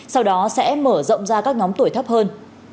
sau đó sẽ mở rộng ra các nhóm tuổi thấp hơn